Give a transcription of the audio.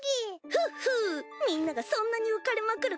フッフーみんながそんなに浮かれまくる